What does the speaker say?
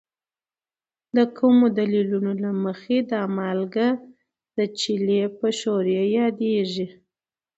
د کومو دلیلونو له مخې دا مالګه د چیلي په ښورې یادیږي؟